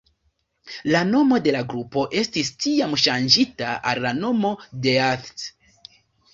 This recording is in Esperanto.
La nomo de la grupo estis, tiam, ŝanĝita al la nomo Death.